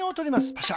パシャ。